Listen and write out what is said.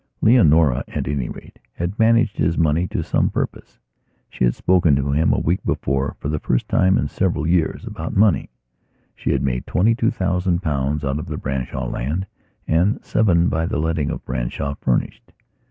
Leonora, at any rate, had managed his money to some purpose. She had spoken to him, a week before, for the first time in several yearsabout money. She had made twenty two thousand pounds out of the Branshaw land and seven by the letting of Branshaw furnished.